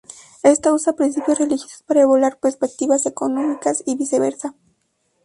Esta usa principios religiosos para evaluar perspectivas económicas o viceversa.